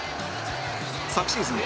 昨シーズン